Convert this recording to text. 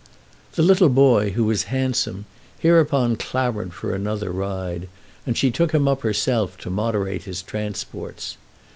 The little boy, who was handsome, hereupon clamoured for another ride, and she took him up herself, to moderate his transports.